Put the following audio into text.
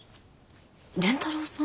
蓮太郎さん？